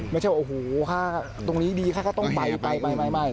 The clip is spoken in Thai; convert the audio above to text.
ไม่ใช่ว่าโอ้โหตรงนี้ดีข้าก็ต้องไป